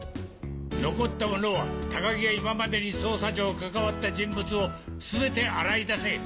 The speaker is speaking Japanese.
残った者は高木が今までに捜査上関わった人物を全て洗い出せ。